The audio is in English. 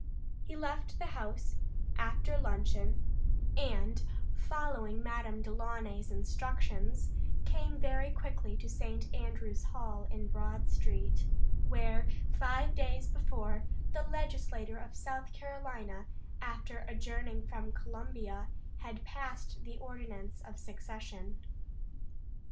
He left the house after luncheon, and, following Madame Delaunay's instructions, came very quickly to St. Andrew's hall in Broad street, where five days before, the Legislature of South Carolina, after adjourning from Columbia, had passed the ordinance of secession.